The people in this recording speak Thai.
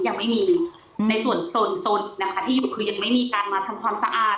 ยังไม่มีในส่วนอีกนะคะที่อยู่คือยังไม่มีการมาทำความสะอาด